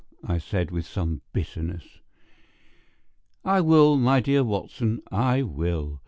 I said, with some bitterness. "I will, my dear Watson, I will.